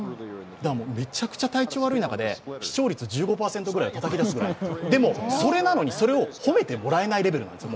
めちゃくちゃ体調悪い中で視聴率１５％ぐらいたたき出すぐらいでもそれなのに、それを褒めてもらえないレベルなんです。